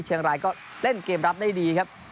เชียงรายก็เล่นเกมรับได้ดีครับ